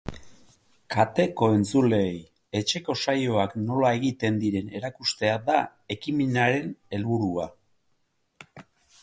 Kateko entzuleei etxeko saioak nola egiten diren erakustea da ekimenaren helburua.